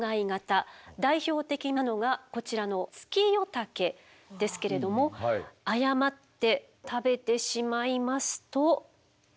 代表的なのがこちらのツキヨタケですけれども誤って食べてしまいますと。